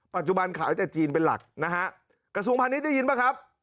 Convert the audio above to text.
ปัจจุบันขายแต่จีนเป็นหลักนะฮะกระทรวงพาณิชยได้ยินป่ะครับ